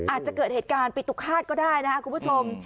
อาจจะเกิดเหตุการณ์ปิตุฆาตก็ได้นะครับคุณผู้ชม